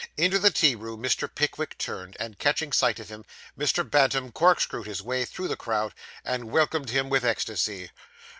Into the tea room Mr. Pickwick turned; and catching sight of him, Mr. Bantam corkscrewed his way through the crowd and welcomed him with ecstasy.